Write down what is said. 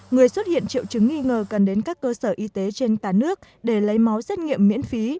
người xuất hiện triệu chứng nghi ngờ cần đến các cơ sở y tế trên cả nước để lấy máu xét nghiệm miễn phí